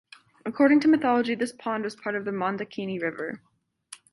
According to mythology this pond was the part of the Mandakini River.